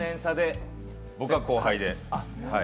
僕が後輩で。